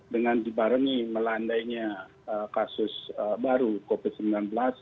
dengan dibarengi melandainya kasus baru covid sembilan belas